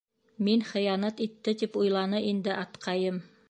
Мин хыянат итте тип уйланы инде атҡайым...